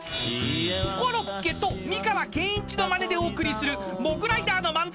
［コロッケと美川憲一のまねでお送りするモグライダーの漫才